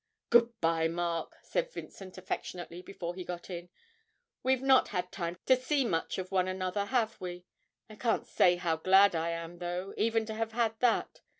'Good bye, Mark,' said Vincent affectionately before he got in. 'We've not had time to see much of one another, have we? I can't say how glad I am, though, even to have had that.